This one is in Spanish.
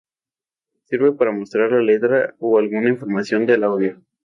Sirve para mostrar la letra o alguna información del audio.